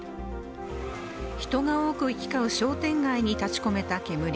人が多く行き交う商店街に立ち込めた煙。